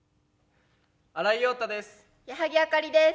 新井庸太です。